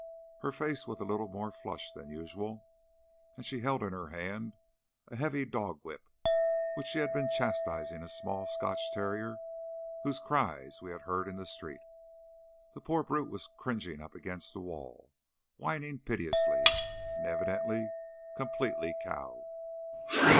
Her face was a little more flushed than usual, and she held in her hand a heavy dog whip, with which she had been chastising a small Scotch terrier, whose cries we had heard in the street. The poor brute was cringing up against the wall, whining piteously, and evidently completely cowed.